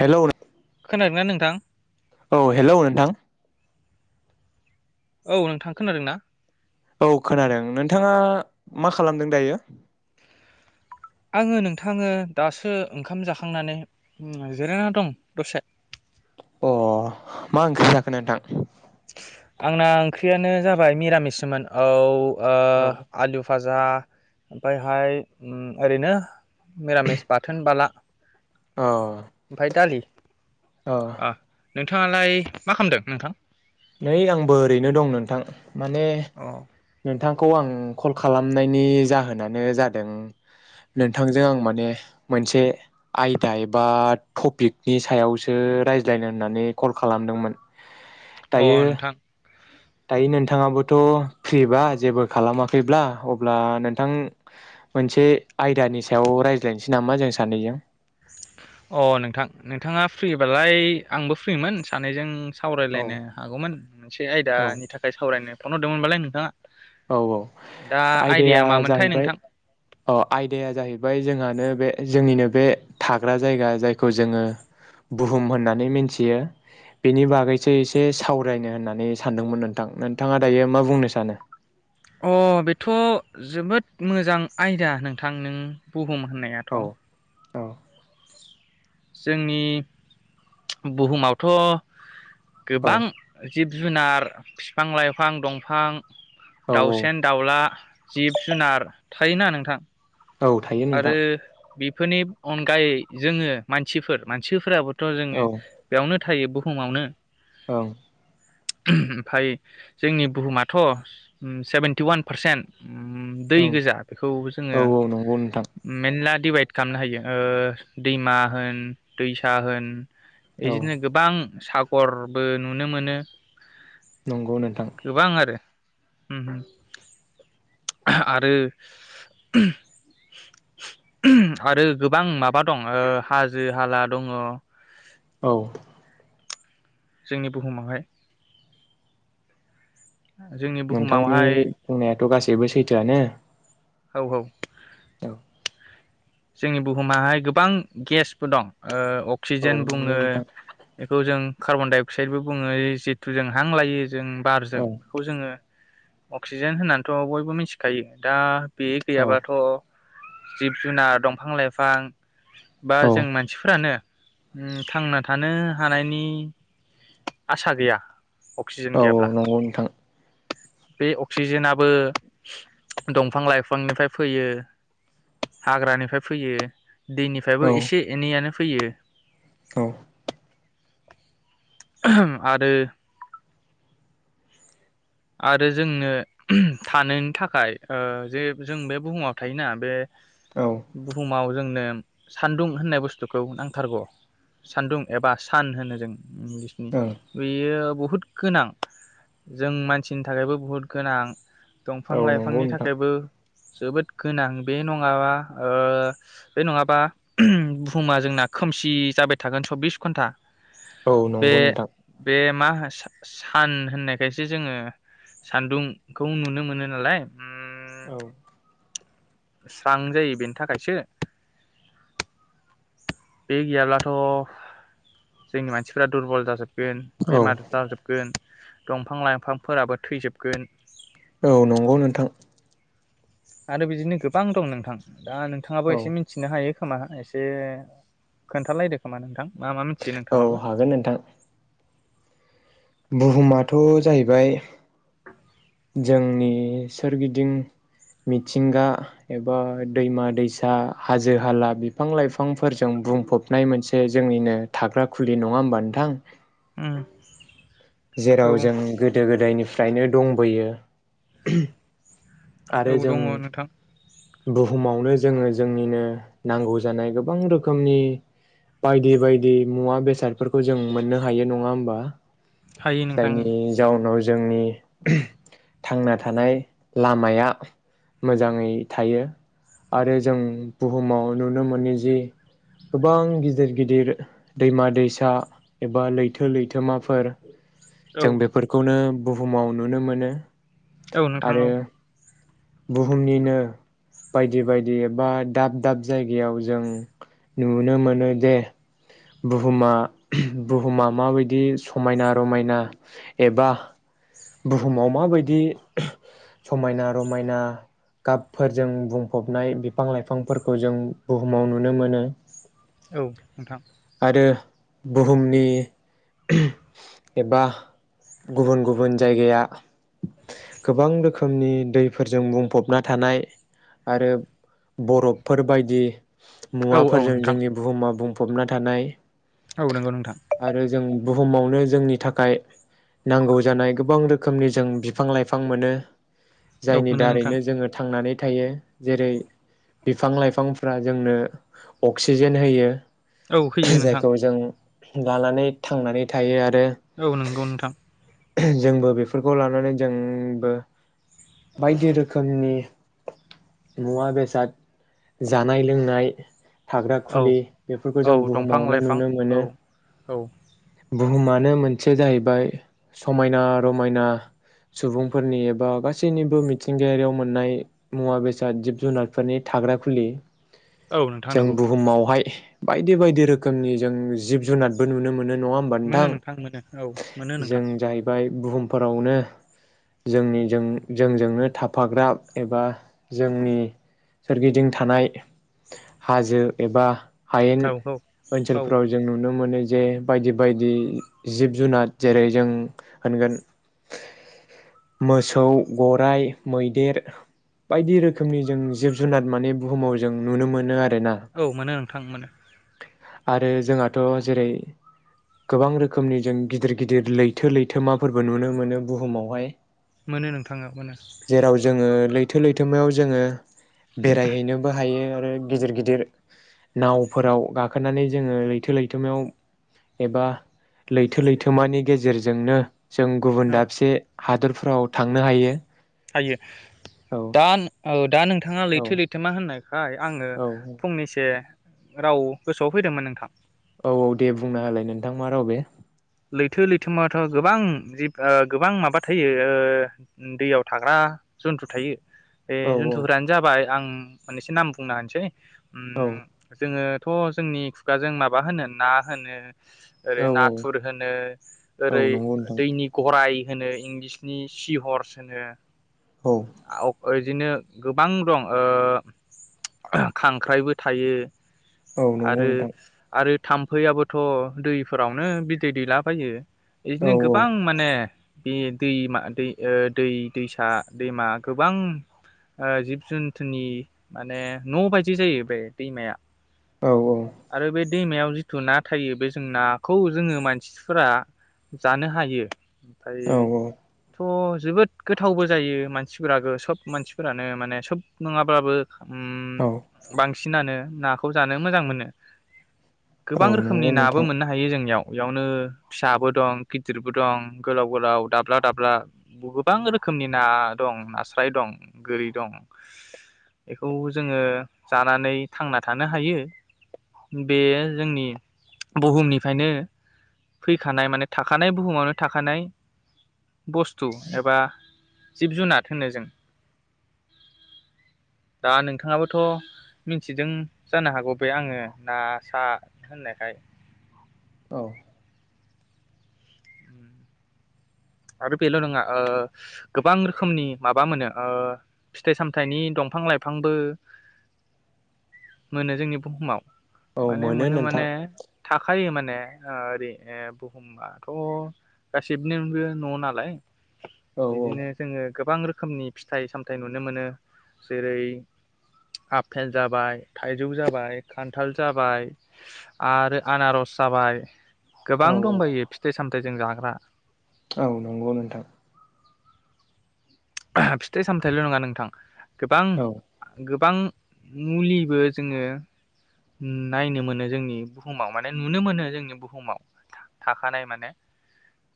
Hello नों खोनादोंना नोंथां औ हेलौ नोंथां औ नोंथां खोनादों ना औ खोनादों नोंथाङा मा खालामदों दायो आंङो नोंथाङो दासो ओंखाम जाखांनानै जिरायना दं दसे अ मा ओंख्रि जाखो सलनोंथां आंना ओंख्रियानो जाबाय मिरामिसोमोन औ ओ औ आलु फाजा दा ओमफ्रायहाय ओम ओरैनो मिरामिस बाथोन बाला अ ओमफाय दालि अ ओ नोंथाङालाय मा खालामदों नोंथां नै आंबो ओरैनो दं नोंथां माने अ नोंथां खौ आं कल खालामनायनि जाहोनानो जादों नोंथांजों आं माने मोनसे आयदा एबा टपिकनि सायावसो रायज्लायनो होननानै कल खालामदोंमोन अ दायो नोंथां दायो नोंथाङाबोथ फ्रिबा जेबो खालामाखैब्ला अब्ला नोंथां मोनसे आयदानि सायाव रायज्लायनोसै नामा जों सानैजों अ नोंथां नोंथाङा फ्रिबालाय आंबो फ्रिमोन सानैजों औ सावरायलायनो हागौमोन मोनसे औ आयदानि थाखाय सावरायनो फन हरदोंमोनबालाय नोंथांङा औ औ आयदाया मामोनथाय जाहैबाय नोंथां औ आयदाया जाहैबाय जोंहानो बे जोंनिनो बे थाग्रा जायगा जायखौ जोंङो बुहुम होननानै मिथियो बेनि बागैसो एसे सावरायनो होननानै सानदोंमोन नोंथां नोंथाङा दायो मा बुंनो सानो अ बेथ जोबोद मोजां आयदा नोंथां नों बुहुम होननायाथ औ औ जोंनि बुहुमावथ' औ गोबां जिब जु जुनार, बिफां-लाइफां, दंफां औ औ दाउसेन-दाउला जिब-जुनार थायोना नोंथां। औ थायो नोंथां। आरो बेफोरनि अनगायै जोङो मानसिफोर मानसिफोराबो थ जोङो ओं बेयावनो थायो बुहुमावनो। औ। ओहोम ओमफाय जोंनि बुहुमाथ' um seventy one percent um दै औ गोजा बेखौ जोङो औ नंगौ नोंथां मेनला डिभाइद खालामनो हायो ओ दैमा होन, दैसा होन औ इदिनो गोबां साग गरबो नुनो मोनो। नंगौ नोंथां। उम उम ओहोम आरो ओहोम ओहोम आरो गोबां माबा दं ओ हाजो हाला दङ औ। जोंनि बुहुमावहाय। [inaudible] नोंथांनि बुहुमावहाय बुंनाया थ' गासैबो सैथोआनो। औ औ। औ। जोंनि बुहुमाहाय गोबां गेसबो दं ओ औ अक्सिजेन नंगौ बुङो नोंथां बेखौ जों कार्बन डाइ अक्साइदबो बुङो जिहेतु जों हां लायो ज जों बारजों औ बेखौ जोङो अक्सिजेन होननानैथ‍' बयबो मिथिखायो दा बे औ गैयाबाथ' जिब-जुनार दंफां लाइफां बा औ जों मानसिफोरानो उम थांना थानो हानायनि आसा गैया अक्सिजेन औ औ गैयाब्ला नंगौ नोंथां। बे अक्सिजेनाबो दंफां-लाइफांनिफ्राय फैयो, हाग्रानिफ्राय फैयो दैनिफ्रायबो एसे एनैयानो फैयो। औ‌ आहाम आरो आरो जोंनो ओहोम थानोनो थाखाय ओ जे जों बे बुहुमाव थायोना बे औ बुहुमाव जोंनो सान्दुं होननाय बुस्थुखौ नांथारगौ सान्दुं एबा सान होनो जों इंलिसनि ओं बेयो बु हुद गोनां जों मान सिनि थाखायबो बुहुत गोनां दंफां औ नंगौ लाइफांनि नोंथां थाखायबो जोबोद गोनां बे नङाबा ओ बे नङाबा बुहुमा जोंना खोमसि जाबाय थागोन सब्बिस घन्टा औ बे नंगौ नोंथां बे मा होन सान होननायखायसो जोङो सान्दुंखौ नुनो मोनो नालाय औ स्रां जायो बेनि थाखायसो बे गैयाब्लाथ' जोंनि मानसिफ्रा दुरबल जाजोब गोन औ बेमार जाजोबगोन दंफां लाइफांफोराबो थैजोबगोन औ नंगौ नोंथां आरो बिदिनो गोबां दं नोंथां दा नोंथाङाबो औ एसे मिनथिनो हायो खोमा एसे खोन्थालायदो खोमा नोंथां मा मा मिथियो औ नोंथाङाबो हागोन नोंथां बुहुमाथ' जाहैबाय जोंनि सोरगिदिं मिथिंगा एबा दैमा दैसा हाजो हाला बिफां लाइफांफोरजों बुंफबनाय मोनसे जोंनिनो थाग्रा खुलि नङा होमबा नोंथां ओम जेराव जों गोदो गो दायनिफ्रायनो दंबोयो आरो औ जों दङ नोंथां बुहुमावनो जोङो जोंनिनो नांगौ जानाय गोबां रोखोमनि बायदि बायदि मुवा बेसादफोरखौ जों मोननो हायो नङा होमबा हायो नोंथां जायनि जाउनाव जोंनि थांना थानाय लामाया मोजाङै थायो आरो जों बुहुमाव नुनो मोनो जि गोबां गिदिर गिदिर दैमा दैसा एबा लैथो लैथोमाफोर औ जों बेफोरखौनो बुहुमाव नुनो मोनो औ नोंथां आरो औ बुहुमनिनो बायदि बायदि एबा दाब दाब जायगायाव जों नुनो मोनो जे बुहुमा बुहुमा माबायदि समायना रमायना एबा बुहुमाव माबायदि समायना रमायना गाबफोरजों बुंफबनाय बिफां लाइफांफोरखौ जों बुहुमाव नुनो मोनो औ नोंथां आरो बुहुमनि एबा गुबुन गुबुन जायगाया गोबां रोखोमनि दैफोरजों बुंफबना थानाय आरो बरफफोरबायदि औ औ मुवाफोरजों नोंथां जोंनि बुहुमा बुं हम। थानाय औ नंगौ नोंथां। आरो जों बुहुमावनो जोंनि थाखाय, नांगौ जानाय गोबां रोखोमनि जों बिफां लाइफां मोनो। औ जायनि मोनो नोंथां दारैनो जोङो थांनानै थायो जेरै बिफां लाइफांफ्रा जोंनो अक्सिजेन होयो। औ होयो नोंथां जायखौ जों लानानै थांनानै थायो आरो। औ नंगौ नोंथां। जोंबो बेफोरखौ लानानै, जोंबो बायदि रोखोमनि मुवा बेसाद जानाय लोंनाय। थाग्रा औ खुलि फोरफोरखौ औ जों दंफां बुहुमावनो लाइफां नुनो औ मोनो। औ बुहुमानो मोनसे जाहैबाय, समायना रमायना सुबुंफोरनि एबा गासैनिबो मिथिंगायारियाव मोननाय मुवा बेसाद जिब जुनारफोरनि थाग्रा खुलि औ नोंथां जों नंगौ बुहुमावहाय बायदि बायदि रोखोमनि जों जिब जुनारबो नुनो मोनो। नङाहोमबा मोनो नोंथां? मोनो औ मोनो नोंथां जों जाहैबाय बुहुमफोरावनो जोंनिजों जोंजोंनो थाफाग्रा, एबा जोंनि सोरगिदिं थानाय हाजो एबा हायेन औ औ ओनसोलफोराव जों नुनो मोनो। जे बायदि बायदि जिब जुनार जेरै जों होनगोन मोसौ गराइ मैदेर बायदि रोखोमनि जों जिब जुनार माने बुहुमाव जों नुनो मोनो [unintelligible] औ मोनो नोंथां मोनो। आरो जोंहाथ' जेरै, गोबां रोखोमनि जों गिदिर गिदिर लैथो लैथोमाफोरबो नुनो मोनो बुहुमावहाय। मोनो नोंथाङा मोनो। जेराव जोङो लैथो लैथोमायाव जोङो बेरायहैनोबो हायो। [unintelligible] गिदिर गिदिर नावफोराव गाखोनानै जोङो लैथो लैथोमायाव एबा लैथो लैथोमानि गेजेरजोंनो। जों गुबुन औ दाबसे हादोरफ्राव थांनो हायो। हायो औ दा औ दा नोंथाङा औ लैथो लैथो मा होननो हाय आङो औ फंनैसे। राव गोसोआव फैदोंमोन नोंथाङ। औ औ दे बुंना होलाय नोंथां मा राव बे । लैथो लैथोमाथ' गोबां जिब गोबां माबा थायो ओ दैयाव थाग्रा जन्थु थायो। बे औ जन्थुफोरानो जाबाय आं मोनसे नाम बुंना होनसै ओ औ जोंङो थ जोंनि खुगाजों माबा होनो ना होनो ओरै औ औ [unintelligible] औ ओरै नंगौ नोंथां दैनि दाय होनो इंलिसनि सि हर्स होनो औ [unintelligible] बिदिनो गोबां दं ओ खांख्राइबो थायो औ नंगौ आरो नोंथां आरो थाम्फैआबोथ दैफोरावनो बिदै दैलाबायो औ बिदिनो गोबां माने बे दैमा दै दै दैसा दैमा गोबां जिब जुन्थुनि माने न बायदि जायो बे दैमाया औ औ आरो बे दैमायाव जिथु ना थायो बे जों नाखौ जोंङो मानसिफोरा जानो हायो । ओमफ्रायो औ थ जोबोद गोथावबो जायो मानसिफोराबो सब मानसिफोरानो माने सब नंङाब्लाबो ओम औ बां सिनानो नाखौ जा नो मोजां मोनो। औ गोबां रोखोमनि नंगौ नाबो नोंथां मोननो हायो जोंनियाव। बेयावनो फिसाबो दं गिदिरबो दं गोलाव गोलाव दाब्ला दाब्ला बु गोबां रोखोमनि ना दं नास्राय दं गोरि दं बेखौ जोंङो जानानै थांना थानो हायो। बेयो जोंनि बुहुमनिफ्रायनो फैखानाय माने थाखानाय बुहुमावनो थाखानाय बुस्थु एबा जिब जुनार होनो जों दा नोंथाङाबोथ मिथिदों जानो हागौ । बे आंङो ना सा होननायखाय औ। आरो बेल‌ नंङा ओ गोबां रोखोमनि माबा मोनो ओ फिथाइ सामथायाइनि दंफां लाइफांबो मोनो जोंनि बुहुमाव। औ माने मोनो नोंथां माने थाखायो माने । माने ओरै बुहुमाथ गासिबनोबो न नालाय औ बिदिनो जोंङो गोबां रोखोमनि फिथाइ सामथाय नुनो मोनो जेरै आफेल जाबाय थाइजौ जाबाय खान्थाल जाबाय आरो आनारस जाबाय । औ गोबां दंबायो फिथाइ सामथाइ जों जाग्रा। औ नंगौ नोंथां। फिथाइ सामथायल नंङा नोंथां गोबां औ गो बां मुलिबो जोङो नायनो मोनो जोंनि बुहुमाव माने नुनो मोनो जोंनि बुहुमाव थाखानाय माने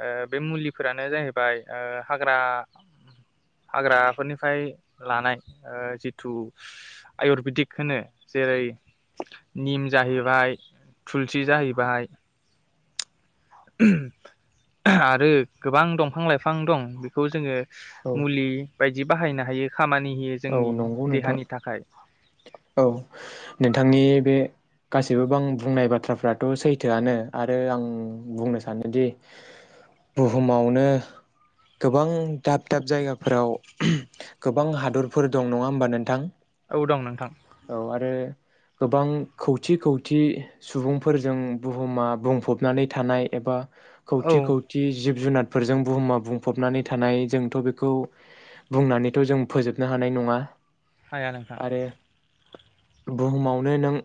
ओ बे मुलिफोरानो जाहैबाय ओ हाग्रा हाग्राफोरनिफ्राय लानाय ओ जिथु आयुरबेदिक होनो। जेरै निम जाहैबाय थुलसि जाहैबाय आरो गोबां दंफां लाइफां दं बेखौ जोङो औ मुलि बाय दि बाहायनो हायो। खामानि होयो औ जोंनि नंगौ नोंथां देहानि थाखाय औ नोंथांनि बे गासैबो बां बुंनाय बाथ्राफ्राथ' सैथोआनो आरो आं बुंनो सानोदि बुहुमावनो गोबां दाब दाब जायगाफोराव गोबां हादर फोर दं नङा होमबा नोंथां? औ दं नोंथां। औ आरो गोबां खौथि खौथि सुबुंफोरजों बुहुमा बुंफबनानै थानाय एबा औ खौथि खौथि जिब जुनार फोरजों बुहुमा बुंफबनानै थानाय जोंथ' बेखौ बुंनानैथ' जों फोजोब नो हानाय नङा। हाया नोंथां। आरो बुहुमावनो नों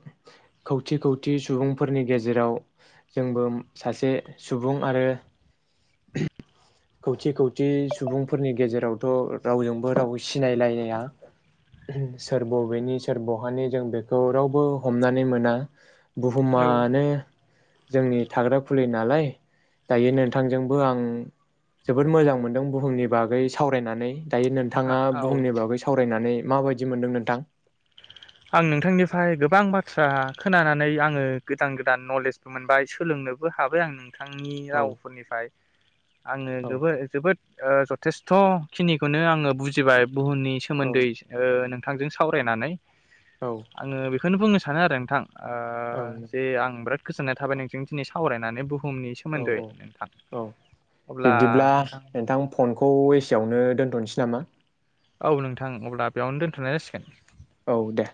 खौथि खौथि सुबुंफोरनि गेजेराव जोंबो सासे सुबुं आरो खौथि खौथि सुबुंफोरनि गेजेरावथ' रावजोंबो राव सिनायलायनाया सोर बबेनि सोर बहानि जों बेखौ रावबो हमनानै मोना। औ बुहुमानो जोंनि थाग्रा खुलि नालाय दायो नोंथांजोंबो आं जोबोद मोजां मोनदों बुहुमनि बागै सावरायनानै। जायो नोंथाङा आ औ बुहुमनि बागै सावराय वरायनानै माबायदि मोन्दों नोंथां? आं नोंथांनिफ्राय गोबां बाथ्रा खोनानानै आङो गोदान गोदान नलेजबो मोनबाय सोलोंनोबो हाबाय आं नों थांनि औ रावफोरनिफ्राय आङो औ जोबोर जोबोद ओ जथेस्थ' खिनिखौनो आङो बुजिबाय बुहुमनि औ सोमोन्दै ओ नों थांजों सावरायनानै। औ आङो बे बेखौनो बुंनो सानो आरो नोंथां। ओ ओं जे आं बिराद गोजोननाय थाबाय नों जों दिनै सावरायनानै बु औ औ औ बिब्दिब्ला नोंथां फनखौ एसेयावनो दोनथ'नोसै नामा? औ नोंथां अब्ला बेयावनो दोनथ'नाय जासिगोन। औ दे।